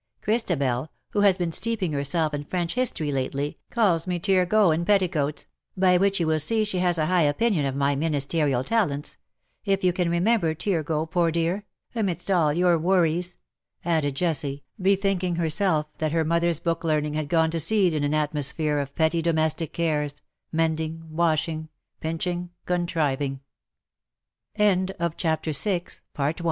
Christabel, who has been steeping herself in French history lately, calls me Turgot in petticoats — by which you will see she has a high opinion of my ministerial talents — if you can remember Turgot, poor dear! amidst all your worries,^' added Jessie, bethinking herself that her mother^s book learning had gone to seed in an atmosphere of petty domestic cares — mending — washing — pinching — contr